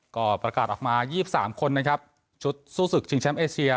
ก็ประกาศออกมายีสิบสามคนนะครับชุดซู่สึกชิงเชียมเอเชีย